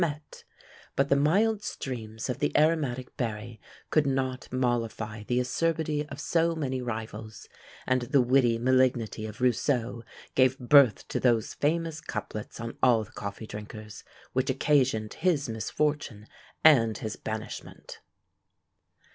met; but the mild streams of the aromatic berry could not mollify the acerbity of so many rivals, and the witty malignity of Rousseau gave birth to those famous couplets on all the coffee drinkers, which occasioned his misfortune and his banishment.